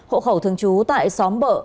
hộ khẩu thường trú tại xóm bợ